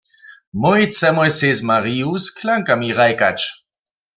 Mój chcemoj sej z Mariju z klankami hrajkać.